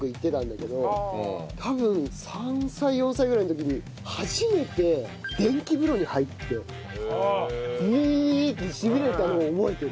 多分３歳４歳ぐらいの時に初めて電気風呂に入って。ってしびれたのを覚えてる。